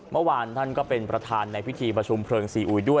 เมื่อวานท่านก็เป็นประธานในพิธีประชุมเพลิงซีอุยด้วย